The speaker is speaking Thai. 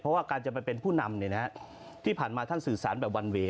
เพราะว่าการจะไปเป็นผู้นำที่ผ่านมาท่านสื่อสารแบบวันเวย์